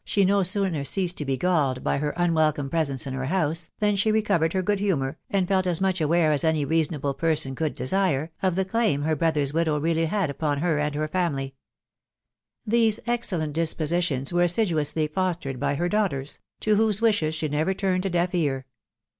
she no sooner ceased to be galled by her unwelcome presence in her house, than she recovered her good humour, and felt as much aware as any reasonable person could desire, of the claim her. brother's widow really bad upon her and her family. Tn&K e*s&«& THE WIDOW , BAJUTABT. 145 disposition* were assiduously festered by her daughters, to* whose wishes she never turned a deaf ear.